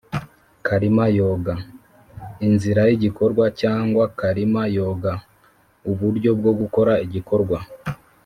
karma yoga: inzira y’igikorwa, cyangwa karma yoga, uburyo bwo gukora igikorwa.